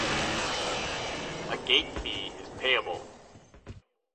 A gate fee is payable.